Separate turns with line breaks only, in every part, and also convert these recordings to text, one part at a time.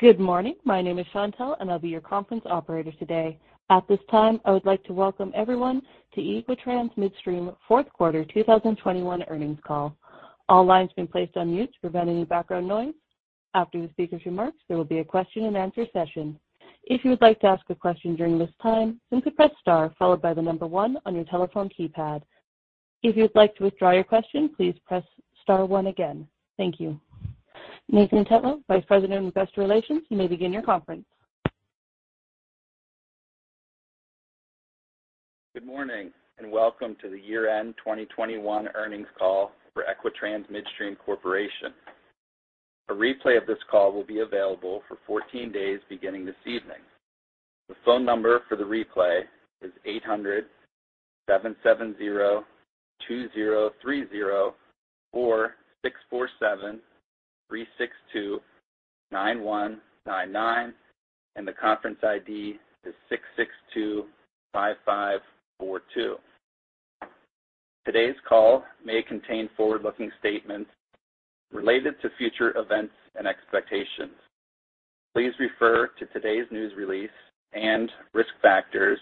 Good morning. My name is Chantelle, and I'll be your conference operator today. At this time, I would like to welcome everyone to Equitrans Midstream Fourth Quarter 2021 Earnings Call. All lines have been placed on mute to prevent any background noise. After the speaker's remarks, there will be a question-and-answer session. If you would like to ask a question during this time, simply press star followed by the number one on your telephone keypad. If you would like to withdraw your question, please press star one again. Thank you. Nathan Tetlow, Vice President of Investor Relations, you may begin your conference.
Good morning, and welcome to the year-end 2021 earnings call for Equitrans Midstream Corporation. A replay of this call will be available for 14 days beginning this evening. The phone number for the replay is 800-770-2030 or 647-362-9199, and the conference ID is 6625542. Today's call may contain forward-looking statements related to future events and expectations. Please refer to today's news release and risk factors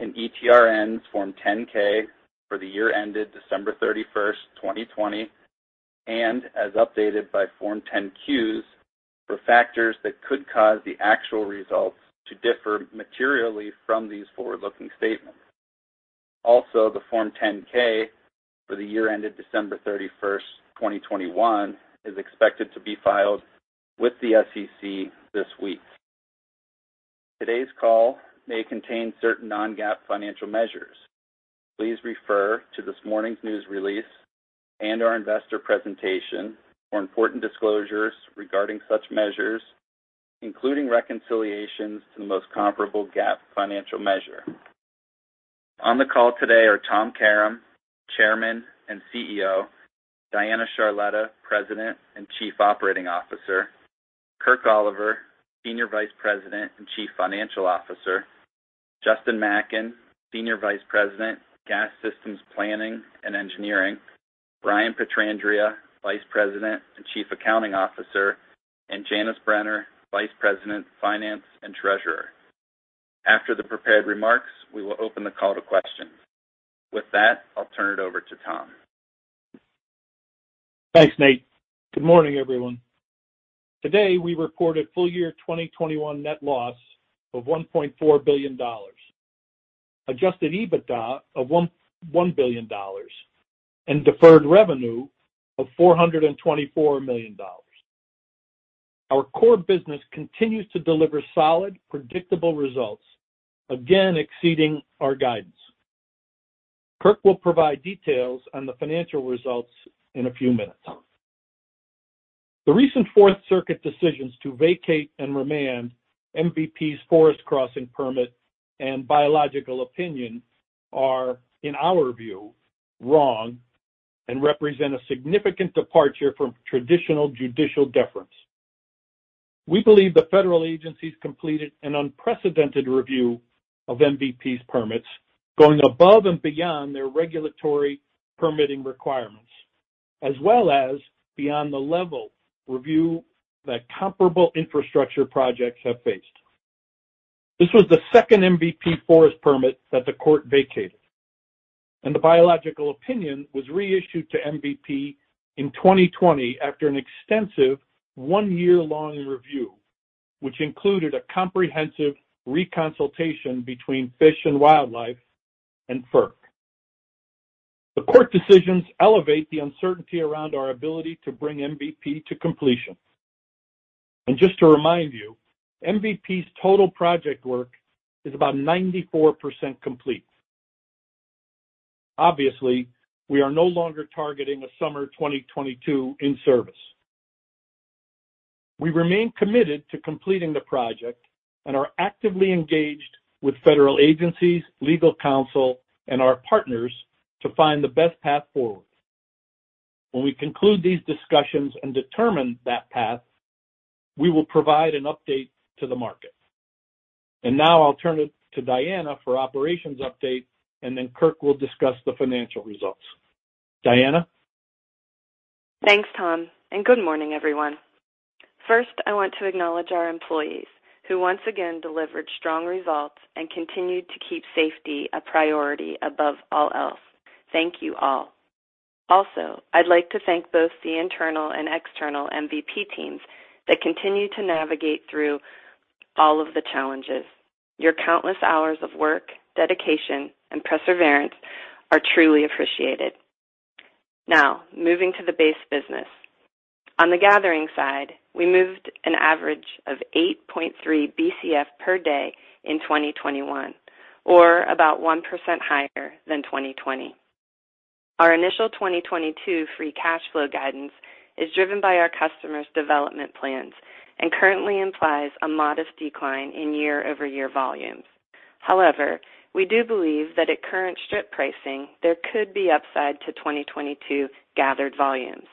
in ETRN's Form 10-K for the year ended December 31st, 2020, and as updated by Form 10-Qs for factors that could cause the actual results to differ materially from these forward-looking statements. Also, the Form 10-K for the year ended December 31st, 2021 is expected to be filed with the SEC this week. Today's call may contain certain non-GAAP financial measures. Please refer to this morning's news release and our investor presentation for important disclosures regarding such measures, including reconciliations to the most comparable GAAP financial measure. On the call today are Tom Karam, Chairman and CEO, Diana Charletta, President and Chief Operating Officer, Kirk Oliver, Senior Vice President and Chief Financial Officer, Justin Macken, Senior Vice President, Gas Systems Planning and Engineering, Brian Pietrandrea, Vice President and Chief Accounting Officer, and Janice Brenner, Vice President, Finance and Treasurer. After the prepared remarks, we will open the call to questions. With that, I'll turn it over to Tom.
Thanks, Nate. Good morning, everyone. Today, we reported full year 2021 net loss of $1.4 billion, adjusted EBITDA of $1.1 billion, and deferred revenue of $424 million. Our core business continues to deliver solid, predictable results, again exceeding our guidance. Kirk will provide details on the financial results in a few minutes. The recent Fourth Circuit decisions to vacate and remand MVP's forest crossing permit and biological opinion are, in our view, wrong and represent a significant departure from traditional judicial deference. We believe the federal agencies completed an unprecedented review of MVP's permits going above and beyond their regulatory permitting requirements as well as beyond the level of review that comparable infrastructure projects have faced. This was the second MVP forest permit that the court vacated, and the biological opinion was reissued to MVP in 2020 after an extensive one-year-long review, which included a comprehensive reconsultation between Fish and Wildlife and FERC. The court decisions elevate the uncertainty around our ability to bring MVP to completion. Just to remind you, MVP's total project work is about 94% complete. Obviously, we are no longer targeting a summer 2022 in-service. We remain committed to completing the project and are actively engaged with federal agencies, legal counsel, and our partners to find the best path forward. When we conclude these discussions and determine that path, we will provide an update to the market. Now I'll turn it to Diana for operations update, and then Kirk will discuss the financial results. Diana?
Thanks, Tom, and good morning, everyone. First, I want to acknowledge our employees, who once again delivered strong results and continued to keep safety a priority above all else. Thank you all. Also, I'd like to thank both the internal and external MVP teams that continue to navigate through all of the challenges. Your countless hours of work, dedication, and perseverance are truly appreciated. Now, moving to the base business. On the gathering side, we moved an average of 8.3 Bcf per day in 2021 or about 1% higher than 2020. Our initial 2022 free cash flow guidance is driven by our customers' development plans and currently implies a modest decline in year-over-year volumes. However, we do believe that at current strip pricing, there could be upside to 2022 gathered volumes.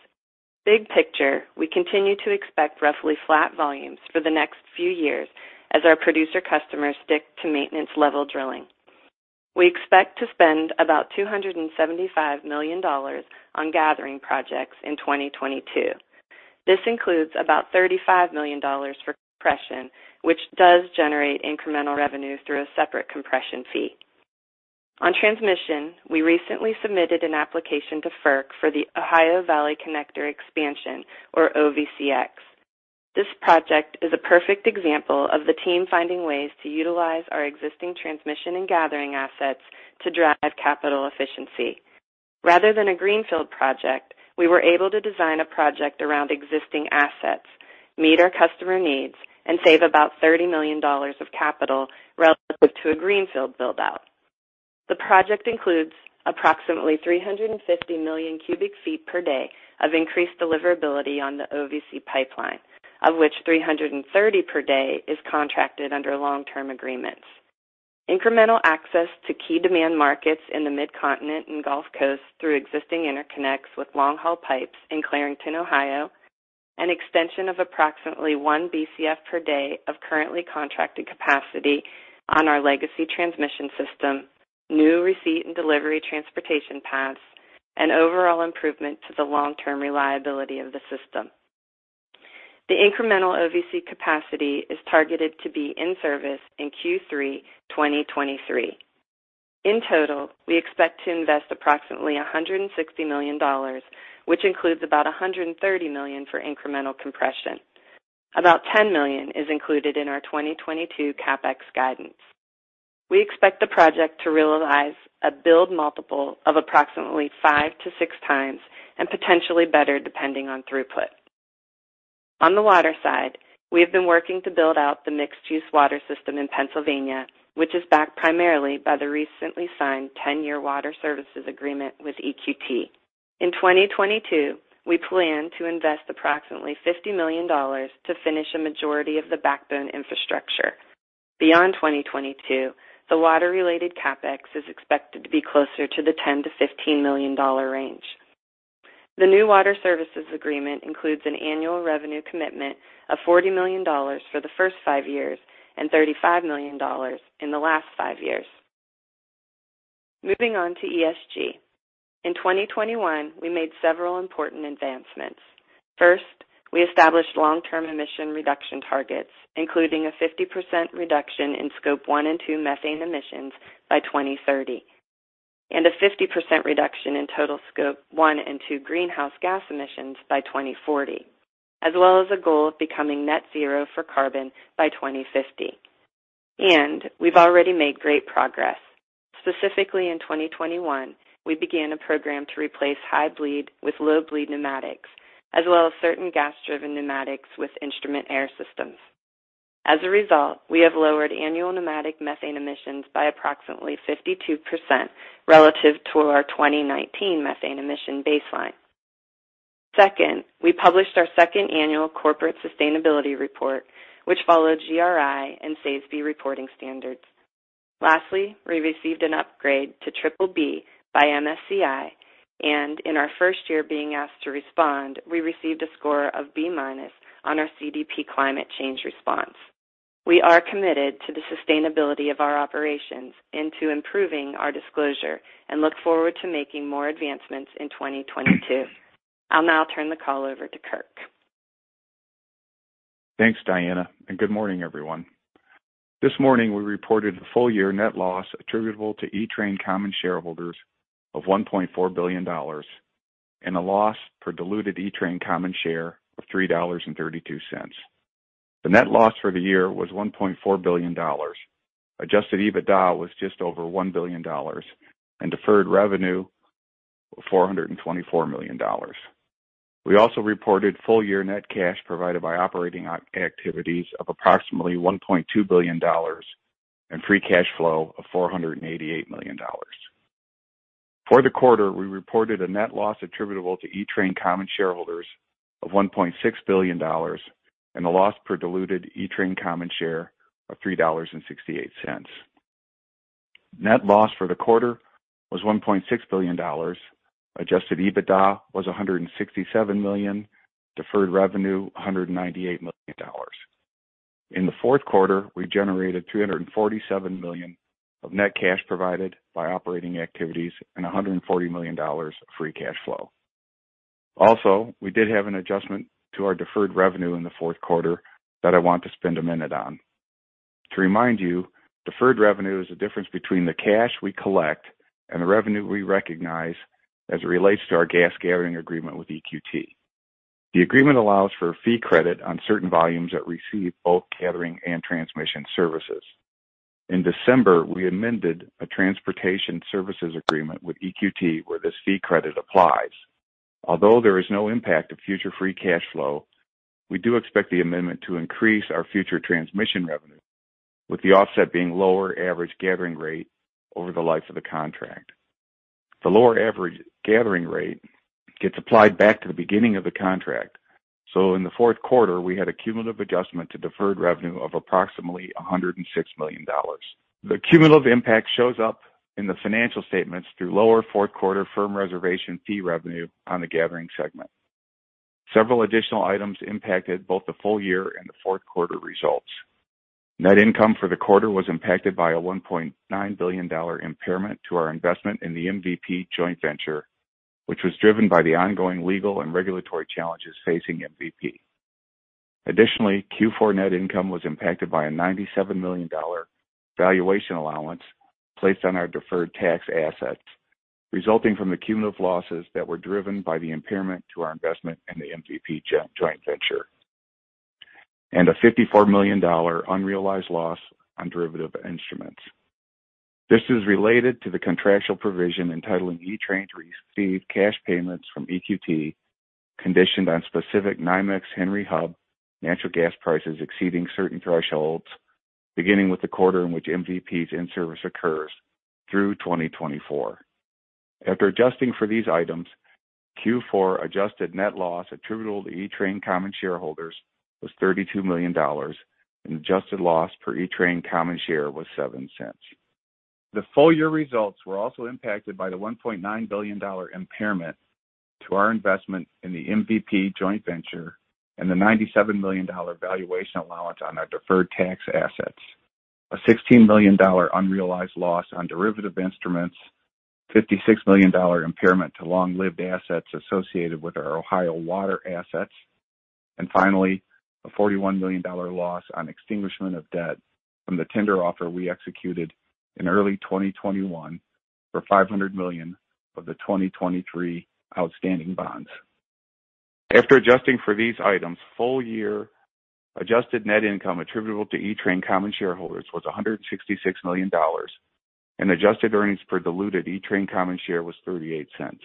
Big picture, we continue to expect roughly flat volumes for the next few years as our producer customers stick to maintenance-level drilling. We expect to spend about $275 million on gathering projects in 2022. This includes about $35 million for compression, which does generate incremental revenue through a separate compression fee. On transmission, we recently submitted an application to FERC for the Ohio Valley Connector Expansion or OVCX. This project is a perfect example of the team finding ways to utilize our existing transmission and gathering assets to drive capital efficiency. Rather than a greenfield project, we were able to design a project around existing assets, meet our customer needs, and save about $30 million of capital relative to a greenfield build-out. The project includes approximately 350 million cubic feet per day of increased deliverability on the OVC pipeline, of which 330 per day is contracted under long-term agreements. Incremental access to key demand markets in the Mid-Continent and Gulf Coast through existing interconnects with long-haul pipes in Clarington, Ohio, an extension of approximately 1 Bcf per day of currently contracted capacity on our legacy transmission system, new receipt and delivery transportation paths, and overall improvement to the long-term reliability of the system. The incremental OVC capacity is targeted to be in service in Q3 2023. In total, we expect to invest approximately $160 million, which includes about $130 million for incremental compression. About $10 million is included in our 2022 CapEx guidance. We expect the project to realize a build multiple of approximately 5x-6x and potentially better, depending on throughput. On the water side, we have been working to build out the mixed-use water system in Pennsylvania, which is backed primarily by the recently signed 10-year water services agreement with EQT. In 2022, we plan to invest approximately $50 million to finish a majority of the backbone infrastructure. Beyond 2022, the water-related CapEx is expected to be closer to the $10 million-$15 million range. The new water services agreement includes an annual revenue commitment of $40 million for the first five years and $35 million in the last five years. Moving on to ESG. In 2021, we made several important advancements. First, we established long-term emission reduction targets, including a 50% reduction in Scope one and two methane emissions by 2030 and a 50% reduction in total Scope one and two greenhouse gas emissions by 2040, as well as a goal of becoming net zero for carbon by 2050. We've already made great progress. Specifically, in 2021, we began a program to replace high-bleed with low-bleed pneumatics, as well as certain gas-driven pneumatics with instrument air systems. As a result, we have lowered annual pneumatic methane emissions by approximately 52% relative to our 2019 methane emission baseline. Second, we published our second annual corporate sustainability report, which followed GRI and safety reporting standards. Lastly, we received an upgrade to BBB by MSCI, and in our first year being asked to respond, we received a score of B- on our CDP climate change response. We are committed to the sustainability of our operations and to improving our disclosure and look forward to making more advancements in 2022. I'll now turn the call over to Kirk.
Thanks, Diana, and good morning, everyone. This morning, we reported a full-year net loss attributable to E-Train common shareholders of $1.4 billion and a loss per diluted E-Train common share of $3.32. The net loss for the year was $1.4 billion. Adjusted EBITDA was just over $1 billion and deferred revenue, $424 million. We also reported full-year net cash provided by operating activities of approximately $1.2 billion and free cash flow of $488 million. For the quarter, we reported a net loss attributable to E-Train common shareholders of $1.6 billion and a loss per diluted E-Train common share of $3.68. Net loss for the quarter was $1.6 billion. Adjusted EBITDA was $167 million. Deferred revenue, $198 million. In the fourth quarter, we generated $347 million of net cash provided by operating activities and $140 million of free cash flow. Also, we did have an adjustment to our deferred revenue in the fourth quarter that I want to spend a minute on. To remind you, deferred revenue is the difference between the cash we collect and the revenue we recognize as it relates to our gas gathering agreement with EQT. The agreement allows for a fee credit on certain volumes that receive both gathering and transmission services. In December, we amended a transportation services agreement with EQT where this fee credit applies. Although there is no impact to future free cash flow, we do expect the amendment to increase our future transmission revenue, with the offset being lower average gathering rate over the life of the contract. The lower average gathering rate gets applied back to the beginning of the contract. In the fourth quarter, we had a cumulative adjustment to deferred revenue of approximately $106 million. The cumulative impact shows up in the financial statements through lower fourth quarter firm reservation fee revenue on the gathering segment. Several additional items impacted both the full-year and the fourth quarter results. Net income for the quarter was impacted by a $1.9 billion impairment to our investment in the MVP joint venture, which was driven by the ongoing legal and regulatory challenges facing MVP. Additionally, Q4 net income was impacted by a $97 million valuation allowance placed on our deferred tax assets, resulting from the cumulative losses that were driven by the impairment to our investment in the MVP joint venture, a $54 million unrealized loss on derivative instruments. This is related to the contractual provision entitling E-Train to receive cash payments from EQT, conditioned on specific NYMEX Henry Hub natural gas prices exceeding certain thresholds, beginning with the quarter in which MVP's in-service occurs through 2024. After adjusting for these items, Q4 adjusted net loss attributable to E-Train common shareholders was $32 million and adjusted loss per E-Train common share was $0.07. The full-year results were also impacted by the $1.9 billion impairment to our investment in the MVP joint venture and the $97 million valuation allowance on our deferred tax assets. A $16 million unrealized loss on derivative instruments, $56 million impairment to long-lived assets associated with our Ohio water assets. Finally, a $41 million loss on extinguishment of debt from the tender offer we executed in early 2021 for $500 million of the 2023 outstanding bonds. After adjusting for these items, full-year adjusted net income attributable to E-Train common shareholders was $166 million, and adjusted earnings per diluted E-Train common share was $0.38.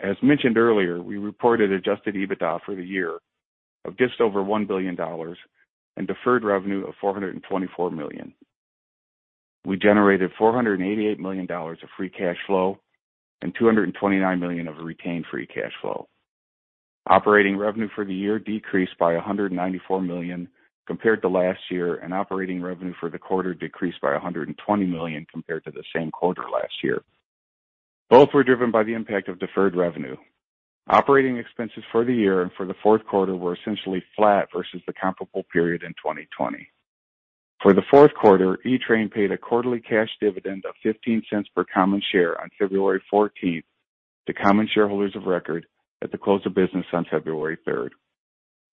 As mentioned earlier, we reported adjusted EBITDA for the year of just over $1 billion and deferred revenue of $424 million. We generated $488 million of free cash flow and $229 million of retained free cash flow. Operating revenue for the year decreased by $194 million compared to last year, and operating revenue for the quarter decreased by $120 million compared to the same quarter last year. Both were driven by the impact of deferred revenue. Operating expenses for the year and for the fourth quarter were essentially flat versus the comparable period in 2020. For the fourth quarter, E-Train paid a quarterly cash dividend of $0.15 per common share on February 14 to common shareholders of record at the close of business on February 3rd.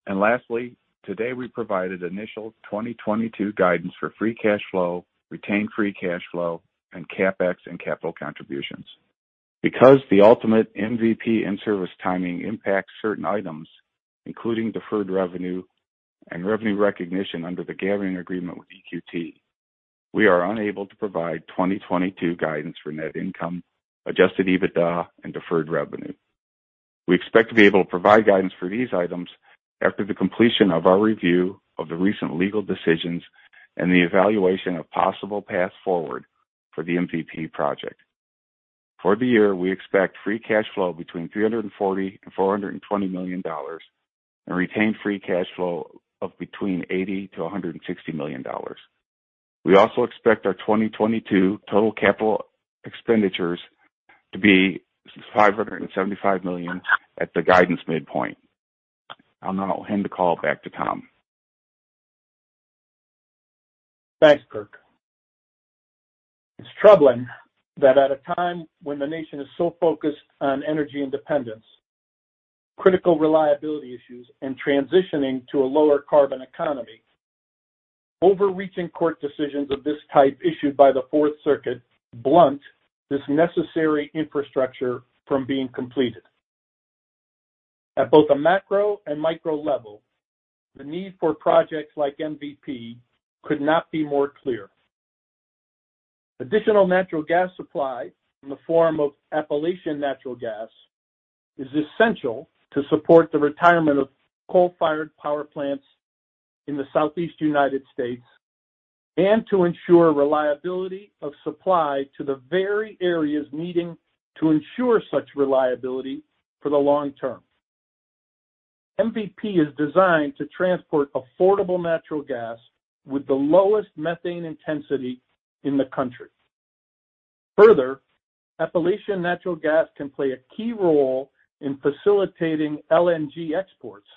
Lastly, today, we provided initial 2022 guidance for free cash flow, retained free cash flow, and CapEx and capital contributions. Because the ultimate MVP in-service timing impacts certain items, including deferred revenue and revenue recognition under the gathering agreement with EQT, we are unable to provide 2022 guidance for net income, adjusted EBITDA, and deferred revenue. We expect to be able to provide guidance for these items after the completion of our review of the recent legal decisions and the evaluation of possible paths forward for the MVP project. For the year, we expect free cash flow between $340 million and $420 million and retained free cash flow of between $80 million to $160 million. We also expect our 2022 total capital expenditures to be $575 million at the guidance midpoint. I'll now hand the call back to Tom.
Thanks, Kirk. It's troubling that at a time when the nation is so focused on energy independence, critical reliability issues, and transitioning to a lower carbon economy, overreaching court decisions of this type issued by the Fourth Circuit blunt this necessary infrastructure from being completed. At both a macro and micro level, the need for projects like MVP could not be more clear. Additional natural gas supply in the form of Appalachian natural gas is essential to support the retirement of coal-fired power plants in the Southeast United States and to ensure reliability of supply to the very areas needing to ensure such reliability for the long-term. MVP is designed to transport affordable natural gas with the lowest methane intensity in the country. Further, Appalachian natural gas can play a key role in facilitating LNG exports,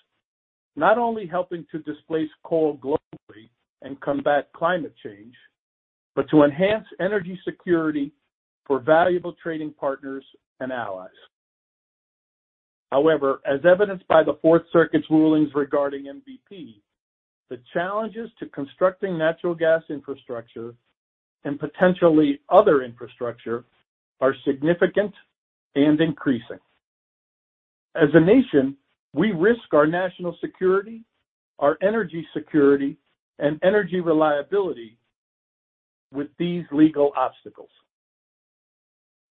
not only helping to displace coal globally and combat climate change, but to enhance energy security for valuable trading partners and allies. However, as evidenced by the Fourth Circuit's rulings regarding MVP, the challenges to constructing natural gas infrastructure and potentially other infrastructure are significant and increasing. As a nation, we risk our national security, our energy security, and energy reliability with these legal obstacles.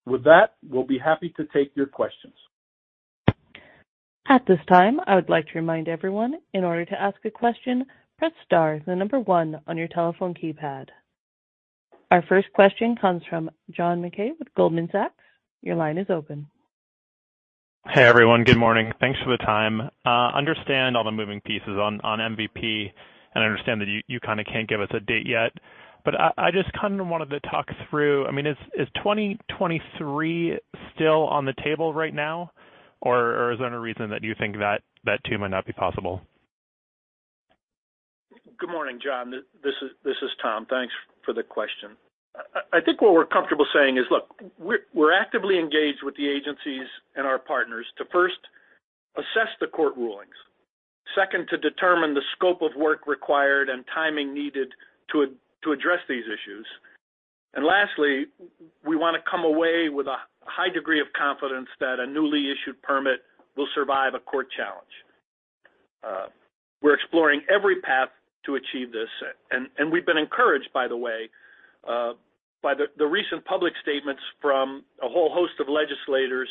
With that, we'll be happy to take your questions.
At this time, I would like to remind everyone, in order to ask a question, press star then 1 on your telephone keypad. Our first question comes from John Mackay with Goldman Sachs. Your line is open.
Hey, everyone. Good morning. Thanks for the time. I understand all the moving pieces on MVP and understand that you kinda can't give us a date yet. I just kind of wanted to talk through. I mean, is 2023 still on the table right now or is there any reason that you think that too might not be possible?
Morning, John. This is Tom. Thanks for the question. I think what we're comfortable saying is, look, we're actively engaged with the agencies and our partners to first assess the court rulings. Second, to determine the scope of work required and timing needed to address these issues. Lastly, we wanna come away with a high degree of confidence that a newly issued permit will survive a court challenge. We're exploring every path to achieve this. We've been encouraged, by the way, by the recent public statements from a whole host of legislators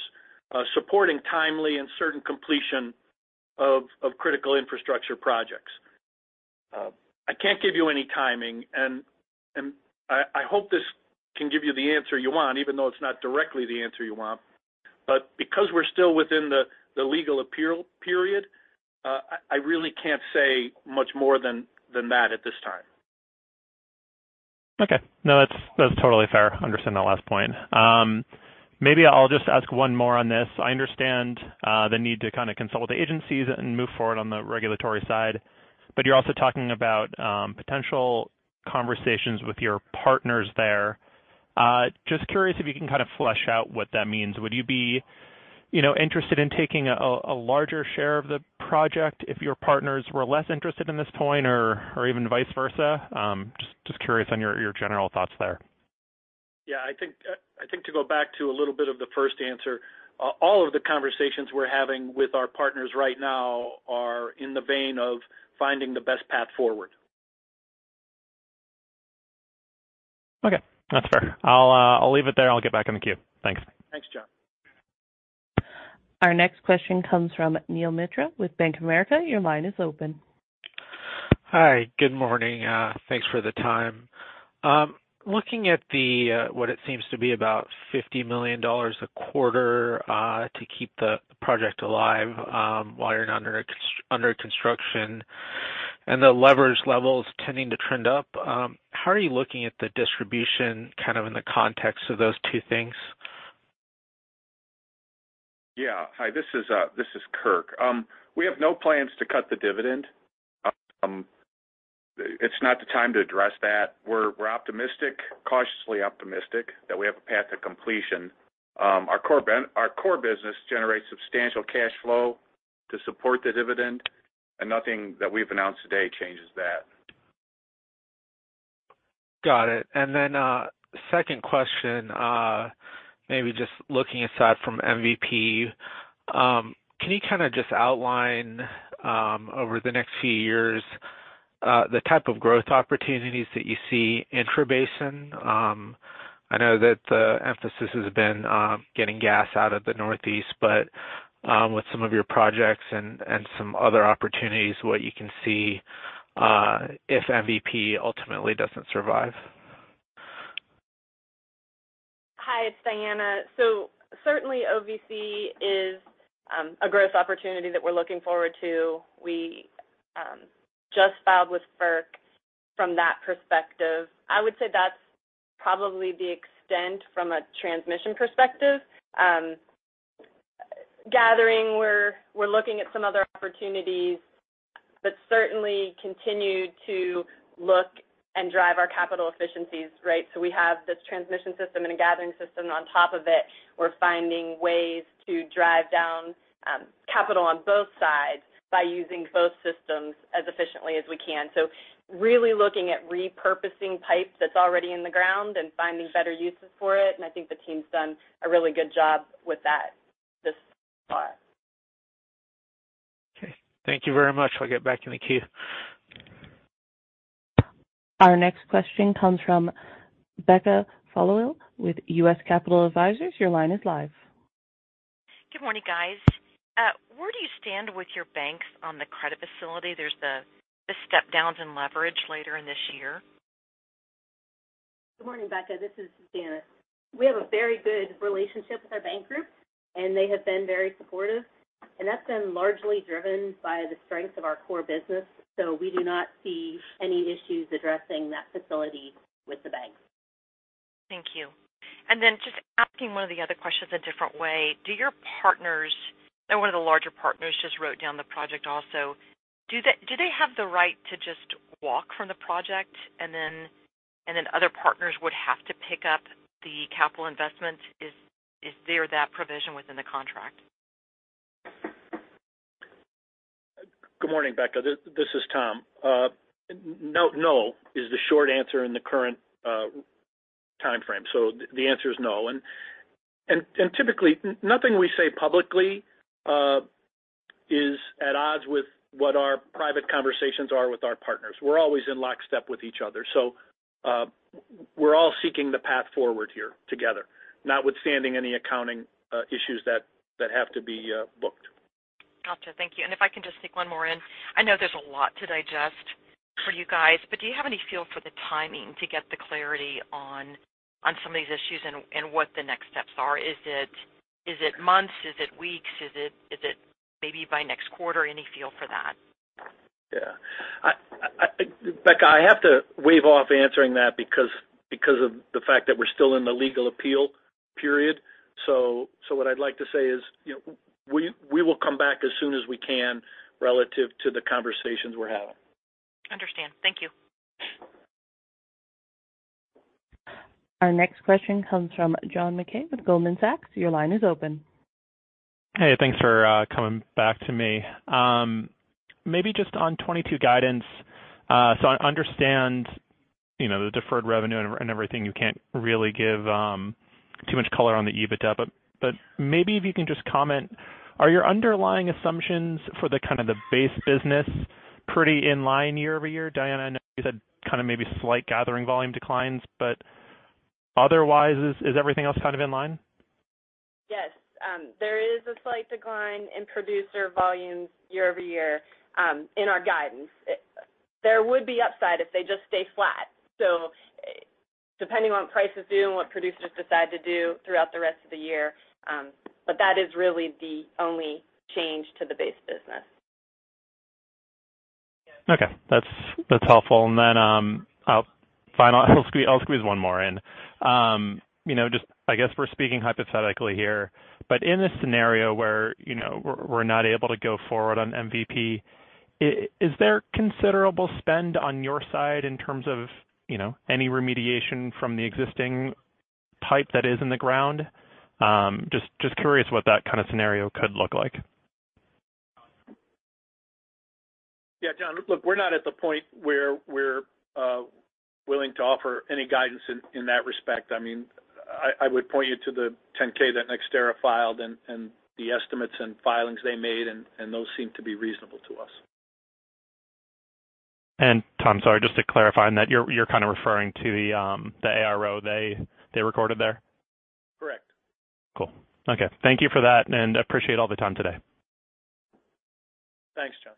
supporting timely and certain completion of critical infrastructure projects. I can't give you any timing, and I hope this can give you the answer you want, even though it's not directly the answer you want. Because we're still within the legal appeal period, I really can't say much more than that at this time.
Okay. No, that's totally fair. I understand that last point. Maybe I'll just ask one more on this. I understand the need to kind of consult with the agencies and move forward on the regulatory side, but you're also talking about potential conversations with your partners there. Just curious if you can kind of flesh out what that means. Would you be, you know, interested in taking a larger share of the project if your partners were less interested in this point or even vice versa? Just curious on your general thoughts there.
Yeah, I think to go back to a little bit of the first answer, all of the conversations we're having with our partners right now are in the vein of finding the best path forward.
Okay. That's fair. I'll leave it there. I'll get back in the queue. Thanks.
Thanks, John.
Our next question comes from Neil Mehta with Bank of America. Your line is open.
Hi, good morning. Thanks for the time. Looking at the what it seems to be about $50 million a quarter to keep the project alive while you're under construction, and the leverage levels tending to trend up, how are you looking at the distribution kind of in the context of those two things?
Yeah. Hi, this is Kirk. We have no plans to cut the dividend. It's not the time to address that. We're optimistic, cautiously optimistic that we have a path to completion. Our core business generates substantial cash flow to support the dividend, and nothing that we've announced today changes that.
Got it. Second question, maybe just looking aside from MVP, can you kind of just outline over the next few years the type of growth opportunities that you see intra basin? I know that the emphasis has been getting gas out of the Northeast, but with some of your projects and some other opportunities, what you can see if MVP ultimately doesn't survive.
Hi, it's Diana. Certainly OVC is a growth opportunity that we're looking forward to. We just filed with FERC from that perspective. I would say that's probably the extent from a transmission perspective. Gathering, we're looking at some other opportunities, but certainly continue to look and drive our capital efficiencies, right? We have this transmission system and a gathering system on top of it. We're finding ways to drive down capital on both sides by using both systems as efficiently as we can. Really looking at repurposing pipe that's already in the ground and finding better uses for it. I think the team's done a really good job with that thus far.
Okay. Thank you very much. I'll get back in the queue.
Our next question comes from Becca Followill with U.S. Capital Advisors. Your line is live.
Good morning, guys. Where do you stand with your banks on the credit facility? There's the step downs in leverage later in this year.
Good morning, Becca. This is Janice. We have a very good relationship with our bank group, and they have been very supportive. That's been largely driven by the strength of our core business. We do not see any issues addressing that facility with the banks.
Thank you. Just asking one of the other questions a different way, do your partners, I know one of the larger partners just wrote down the project also. Do they have the right to just walk from the project and then other partners would have to pick up the capital investment? Is there that provision within the contract?
Good morning, Becca. This is Tom. No is the short answer in the current timeframe. The answer is no. Typically, nothing we say publicly is at odds with what our private conversations are with our partners. We're always in lockstep with each other. We're all seeking the path forward here together, notwithstanding any accounting issues that have to be booked.
Gotcha. Thank you. If I can just sneak one more in. I know there's a lot to digest for you guys, but do you have any feel for the timing to get the clarity on some of these issues and what the next steps are? Is it months? Is it weeks? Is it maybe by next quarter? Any feel for that?
Yeah. I, Becca, I have to wave off answering that because of the fact that we're still in the legal appeal period. What I'd like to say is, you know, we will come back as soon as we can relative to the conversations we're having.
Understand. Thank you.
Our next question comes from John Mackay with Goldman Sachs. Your line is open.
Hey, thanks for coming back to me. Maybe just on 2022 guidance. So I understand, you know, the deferred revenue and everything, you can't really give too much color on the EBITDA. But maybe if you can just comment, are your underlying assumptions for the kind of the base business pretty in line year-over-year? Diana, I know you said kind of maybe slight gathering volume declines, but otherwise is everything else kind of in line?
Yes. There is a slight decline in producer volumes year-over-year in our guidance. There would be upside if they just stay flat, depending on what prices do and what producers decide to do throughout the rest of the year. That is really the only change to the base business.
Okay. That's helpful. Then, I'll squeeze one more in. You know, just I guess we're speaking hypothetically here, but in this scenario where, you know, we're not able to go forward on MVP, is there considerable spend on your side in terms of, you know, any remediation from the existing type that is in the ground? Just curious what that kind of scenario could look like?
Yeah. John, look, we're not at the point where we're willing to offer any guidance in that respect. I mean, I would point you to the 10-K that NextEra filed and the estimates and filings they made, and those seem to be reasonable to us.
Tom, sorry, just to clarify on that, you're kind of referring to the ARO they recorded there?
Correct.
Cool. Okay. Thank you for that, and appreciate all the time today.
Thanks, John.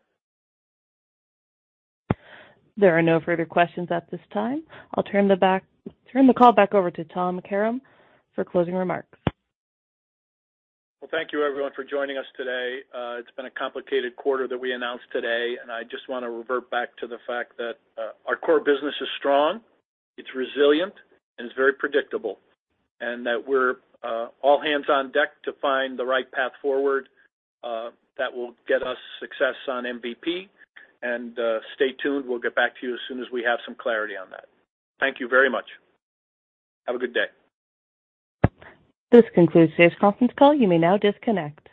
There are no further questions at this time. I'll turn the call back over to Tom Karam for closing remarks.
Well, thank you everyone for joining us today. It's been a complicated quarter that we announced today, and I just wanna revert back to the fact that our core business is strong, it's resilient, and it's very predictable, that we're all hands on deck to find the right path forward that will get us success on MVP. Stay tuned. We'll get back to you as soon as we have some clarity on that. Thank you very much. Have a good day.
This concludes today's conference call. You may now disconnect.